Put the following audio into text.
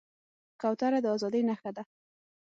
کوتره د ازادۍ نښه ده.